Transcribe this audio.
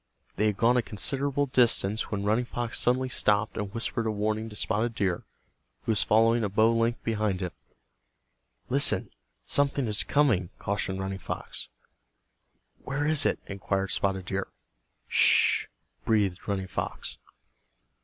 They had gone a considerable distance when Running Fox suddenly stopped and whispered a warning to Spotted Deer, who was following a bow length behind him. "Listen, something is coming," cautioned Running Fox. "Where is it?" inquired Spotted Deer. "Sh," breathed Running Fox.